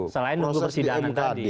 selain untuk persidangan tadi